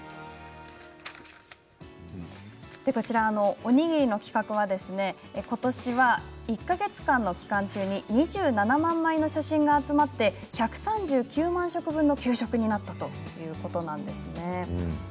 おにぎりの企画はことしは、１か月間の期間中に２７万枚の写真が集まって１３９万食分の給食になったそうです。